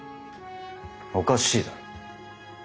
おかしいだろ。